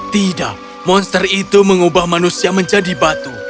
tidak monster itu mengubah manusia menjadi batu